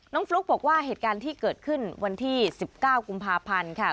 ฟลุ๊กบอกว่าเหตุการณ์ที่เกิดขึ้นวันที่๑๙กุมภาพันธ์ค่ะ